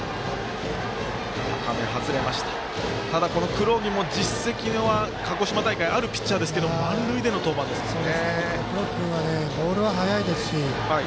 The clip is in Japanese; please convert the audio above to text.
黒木も実績は鹿児島大会あるピッチャーですが満塁での登板ですね。